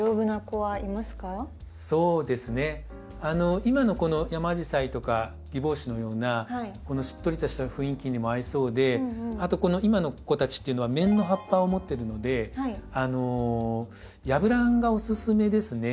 今のこのヤマアジサイとかギボウシのようなこのしっとりとした雰囲気にも合いそうであとこの今の子たちっていうのは面の葉っぱを持ってるのでヤブランがおすすめですね。